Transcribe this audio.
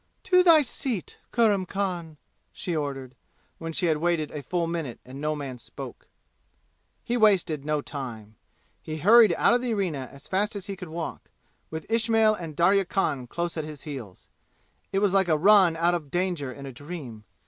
"To thy seat, Kurram Khan!" she ordered, when she had waited a full minute and no man spoke. He wasted no time. He hurried out of the arena as fast as he could walk, with Ismail and Darya Khan close at his heels. It was like a run out of danger in a dream.